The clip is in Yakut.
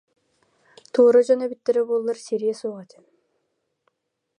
Туора дьон эбиттэрэ буоллар сириэ суох этим